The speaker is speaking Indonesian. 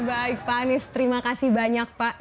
baik pak anies terima kasih banyak pak